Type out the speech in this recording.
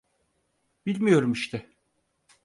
Bilmiyorum işte.